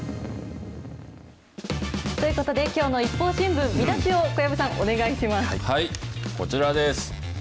ということで、きょうのＩＰＰＯＵ新聞、見出しを、こちらです。